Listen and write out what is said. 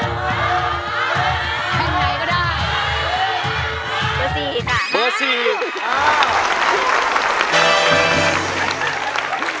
แผ่นไหนก็ได้เบอร์สี่ค่ะเบอร์สี่